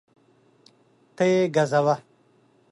ته یې ګزوه